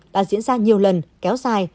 đã diễn ra nhiều lần kéo dài